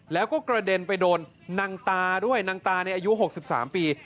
แล้วก็กระเด็นไปโดนนางตาด้วยนางตาในอายุ๖๓ปี